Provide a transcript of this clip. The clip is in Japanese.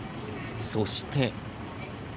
そして。